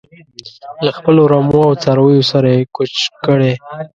له خپلو رمو او څارویو سره یې کوچ کړی.